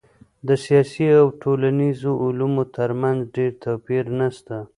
د سیاسي او ټولنیزو علومو ترمنځ ډېر توپیر نسته.